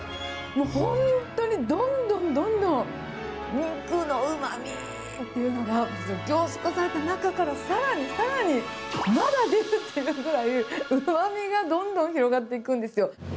本当にどんどんどんどん、肉のうまみっていうのが凝縮された中からさらにさらに、まだ出るっていうぐらい、うまみがどんどん広がっていくんですよ。